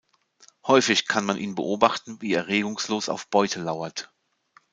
Häufig kann man ihn beobachten, wie er regungslos auf Beute lauert.